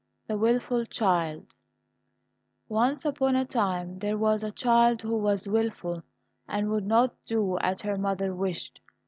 117 The Wilful Child Once upon a time there was a child who was willful, and would not do at her mother wished.